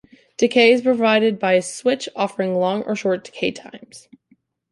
Decay is provided by a switch, offering long or short decay times.